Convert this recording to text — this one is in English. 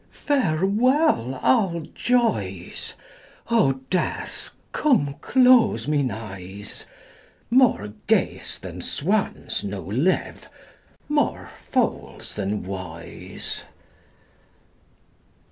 Farewell, all joys; O Death, come close mine eyes; More geese than swans now live, more fools than wise.